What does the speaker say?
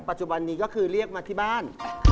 ปัจจุบันนี้ก็คือเรียกมาที่บ้าน